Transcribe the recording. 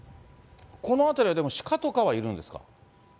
この辺りは鹿とかはいるんですか。